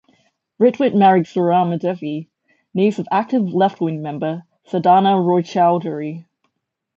Ritwik married Surama Devi, niece of active left-wing member, Sadhana Roychowdhury.